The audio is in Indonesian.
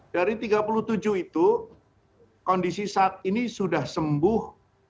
dari tiga puluh tujuh itu kondisi saat ini sudah sembuh